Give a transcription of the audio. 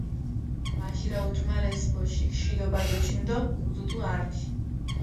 მაჟირა ოჭუმარეს ბოშიქ შვიდობა დუჩინუ დო ქუდუტუ ართი